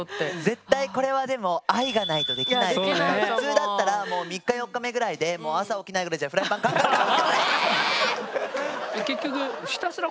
絶対これはでも普通だったらもう３日４日目ぐらいでもう朝起きないぐらいじゃフライパンカンカンカン。